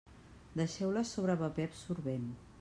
Deixeu-les sobre paper absorbent.